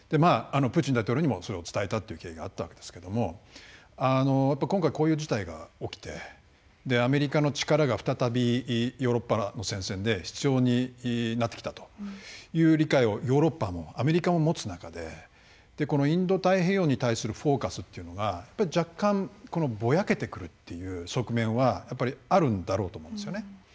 プーチン大統領にもそれを伝えたという経緯があったわけですが今回、こういう事態が起きてアメリカの力が再びヨーロッパの戦線で必要になってきたという理解をヨーロッパもアメリカも持つ中でインド太平洋に対するフォーカスというのが若干、ぼやけてくるという側面はあるんだろうと思うんです。